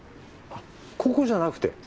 あっここじゃなくて？